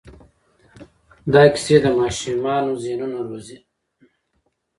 دا کیسې د ماشومانو ذهنونه روزي.